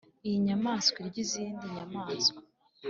Iyi nyamaswa irya izindi nyamaswa